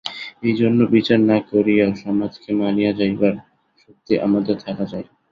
এইজন্য বিচার না করিয়াও সমাজকে মানিয়া যাইবার শক্তি আমাদের থাকা চাই।